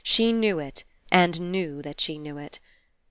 She knew it, and knew that she knew it.